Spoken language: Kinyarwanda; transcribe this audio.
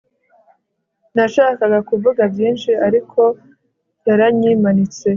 Nashakaga kuvuga byinshi ariko yaranyimanitse